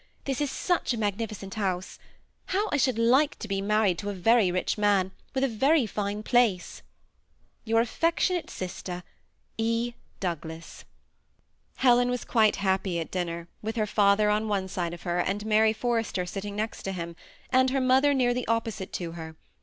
This is such a magnificent house. How I should like to be married to a very rich man, with a very fine place !." Your affectionate sister, «E. Douglas." Helen was quite happj at dinner, with her father on one side of her, and Mary Forrester sitting next to him, and her mother nearly opposite to her.